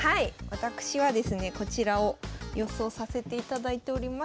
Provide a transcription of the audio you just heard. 私はですねこちらを予想させていただいております。